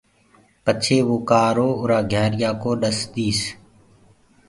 پڇي وو ڪآرو اُرو گھيآرآ ڪوُ ڏس ديس۔